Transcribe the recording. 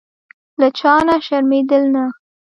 له چا نه شرمېدل نه.